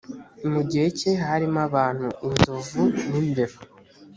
mu gihe cye harimo abantu inzovu n imbeba